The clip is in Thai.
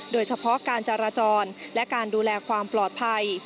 โดยเฉพาะการจราจรและการดูแลความปลอดภัย